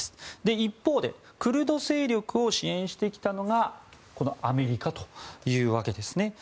一方でクルド勢力を支援してきたのがアメリカというわけですね。